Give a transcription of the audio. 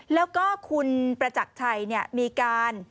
แล้วก็คุณประจักรชัยมีการ